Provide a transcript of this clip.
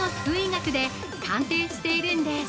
学で鑑定しているんです。